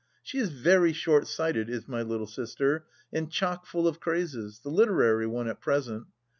She is very short sighted, is my little sister, and chock full of crazes— the literary one, at present.